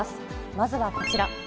まずはこちら。